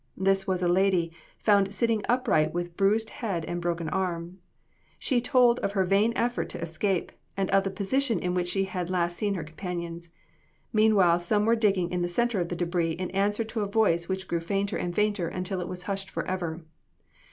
This was a lady, found sitting upright with bruised head and broken arm. She told of her vain effort to escape, and of the position in which she had last seen her companions. Meanwhile, some were digging in the center of the debris in answer to a voice which grew fainter and fainter until it was hushed forever.